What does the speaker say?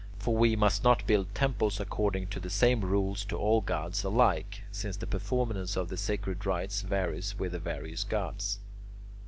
For we must not build temples according to the same rules to all gods alike, since the performance of the sacred rites varies with the various gods.